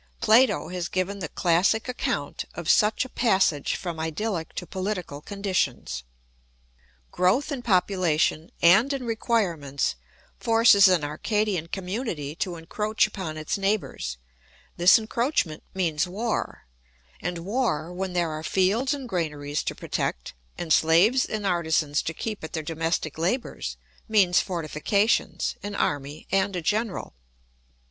Plato has given the classic account of such a passage from idyllic to political conditions. Growth in population and in requirements forces an Arcadian community to encroach upon its neighbours; this encroachment means war; and war, when there are fields and granaries to protect, and slaves and artisans to keep at their domestic labours, means fortifications, an army, and a general.